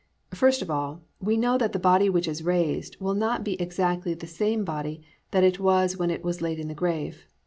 1. First of all, we know that the body which is raised will not be exactly the same body that it was when it was laid in the grave.